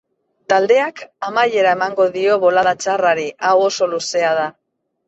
Taldeak amaiera emango dio bolada txarrari, hau oso luzea da.